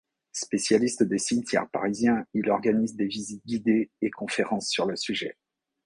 Spécialiste des cimetières parisiens, il organise des visites guidées et conférences sur le sujet.